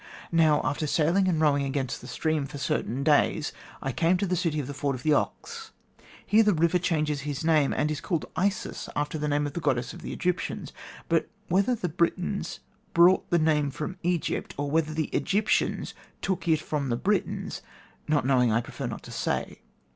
Now, after sailing and rowing against the stream for certain days, I came to the City of the Ford of the Ox. Here the river changes his name, and is called Isis, after the name of the goddess of the Egyptians. But whether the Britons brought the name from Egypt or whether the Egyptians took it from the Britons, not knowing I prefer not to say.